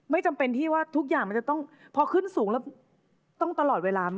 จำเป็นที่ว่าทุกอย่างมันจะต้องพอขึ้นสูงแล้วต้องตลอดเวลา